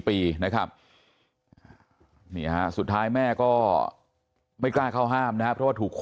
๑๔ปีนะครับสุดท้ายแม่ก็ไม่กล้าเข้าห้ามนะเพราะว่าถูกขู่